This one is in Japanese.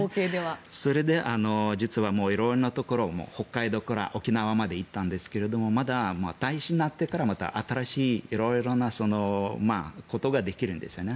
それで実は、色んなところ北海道から沖縄まで行ったんですがまた大使になってからまた新しい色々なことができるんですね。